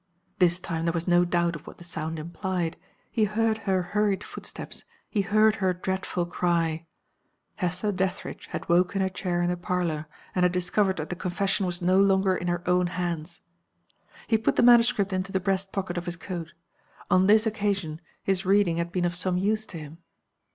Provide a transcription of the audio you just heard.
This time there was no doubt of what the sound implied. He heard her hurried footsteps; he heard her dreadful cry. Hester Dethridge had woke in her chair in the pallor, and had discovered that the Confession was no longer in her own hands. He put the manuscript into the breast pocket of his coat. On this occasion his reading had been of some use to him.